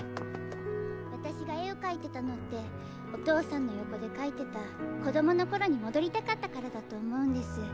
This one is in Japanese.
私が絵を描いてたのってお父さんの横で描いてた子供の頃に戻りたかったからだと思うんです。